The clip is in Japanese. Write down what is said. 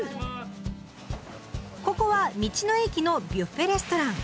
ここは道の駅のビュッフェレストラン。